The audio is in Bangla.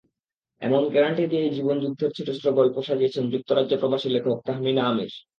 এমন গ্যারান্টি দিয়েই জীবনযুদ্ধের ছোট ছোট গল্প সাজিয়েছেন যুক্তরাজ্যপ্রবাসী লেখক তাহমিনা আমীর।